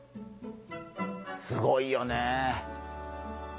すごいよね。